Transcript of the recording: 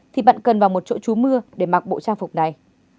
thì bạn cần vào một chỗ chú mưa để mặc bộ trang phục này